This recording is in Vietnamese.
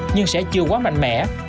nhưng sẽ chưa quá mạnh mẽ